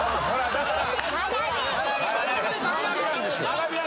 だから。